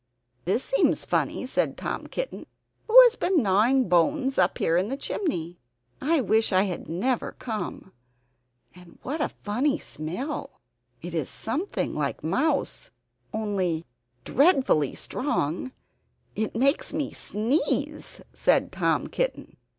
"This seems funny," said Tom Kitten. "Who has been gnawing bones up here in the chimney? I wish I had never come! And what a funny smell? It is something like mouse, only dreadfully strong. It makes me sneeze," said Tom Kitten.